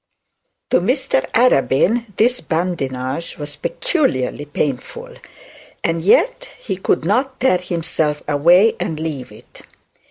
To Mr Arabin this badinage was peculiarly painful; and yet he could not tear himself away and leave it.